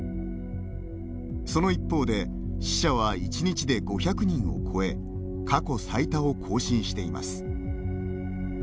その一方で死者は１日で５００人を超え過去最多を更新しています。